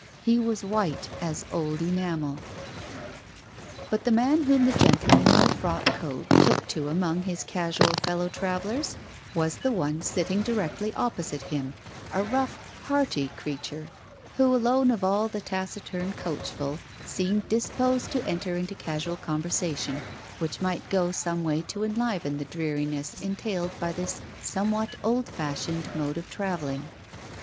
He was white as old enamel. But the man whom the gentleman in the frock coat took to among his casual fellow travellers was the Digitized by Google THE COACH 135 one sitting directly opposite him, a rough, hearty crea ture, who alone of all the taciturn coachful seemed dis posed to enter into a casual conversation, which might go some way to enliven the dreariness entailed by this somewhat old fashioned mode of travelling.